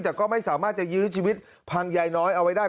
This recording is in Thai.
แต่ก็ไม่สามารถจะยื้อชีวิตพังยายน้อยเอาไว้ได้